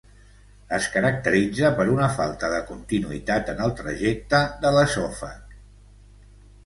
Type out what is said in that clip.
Es caracteritza per una falta de continuïtat en el trajecte de l'esòfag.